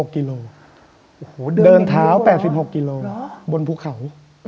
กิโลเดินเท้า๘๖กิโลบนภูเขา